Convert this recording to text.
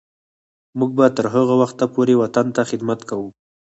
موږ به تر هغه وخته پورې وطن ته خدمت کوو.